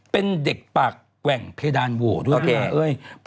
เป็นเด็กปากแหว่งเพดานโหวด้วยแก